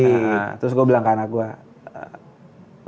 iya terus gue bilang ke anak gue